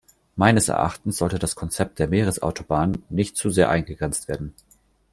Meines Erachtens sollte das Konzept der Meeresautobahnen nicht zu sehr eingegrenzt werden.